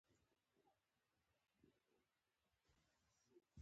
کرکټ ذهني او فزیکي چټکتیا غواړي.